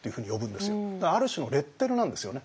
だからある種のレッテルなんですよね。